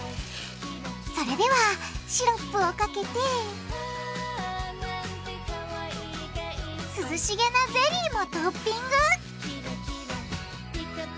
それではシロップをかけて涼しげなゼリーもトッピング！